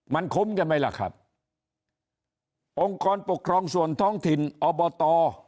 มันคุ้มกันไหมล่ะครับองค์กรปกครองส่วนท้องถิ่นอบต